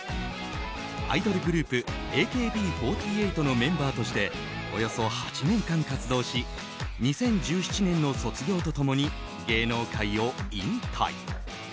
アイドルグループＡＫＢ４８のメンバーとしておよそ８年間活動し２０１７年の卒業と共に芸能界を引退。